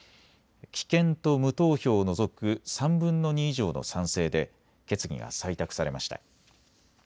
棄権と無投票を除く３分の２以上の賛成で決議が採択されました。